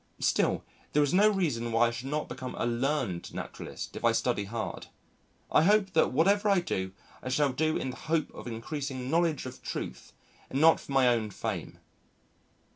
Still, there is no reason why I should not become a learned naturalist if I study hard. I hope that whatever I do I shall do in the hope of increasing knowledge of truth and not for my own fame.